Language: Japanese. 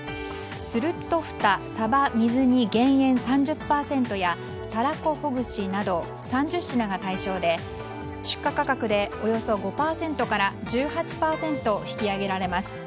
スルッとふたさば水煮減塩３０％やたらこほぐしなど３０品が対象で出荷価格でおよそ５％から１８％引き上げられます。